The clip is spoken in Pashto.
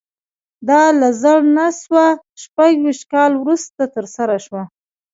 دا له زر نه سوه شپږ ویشت کال وروسته ترسره شوه